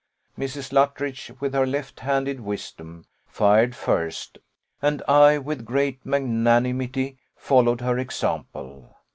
Mrs. Luttridge, with her left handed wisdom, fired first; and I, with great magnanimity, followed her example.